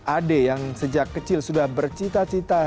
ade yang sejak kecil sudah bercita cita